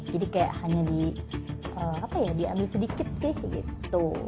jadi kayak hanya di apa ya diambil sedikit sih gitu